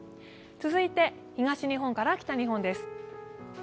続いて、東日本から北日本です。